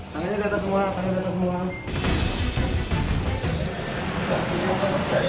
tangannya datang semua tangannya datang semua